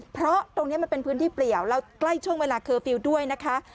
เพราะตรงนี้มันเป็นพื้นที่เปลี่ยวแล้วใกล้ช่วงเวลาเคอร์ฟิลล์ด้วยนะคะ